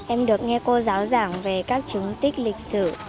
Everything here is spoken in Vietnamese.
em được nghe cô giáo giảng về các chứng tích lịch sử